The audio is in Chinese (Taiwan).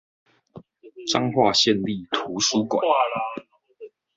彰化縣立圖書館